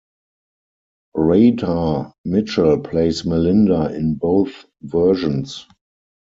Radha Mitchell plays Melinda in both versions.